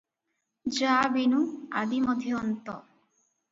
ଯା ବିନୁ ଆଦି ମଧ୍ୟ ଅନ୍ତ ।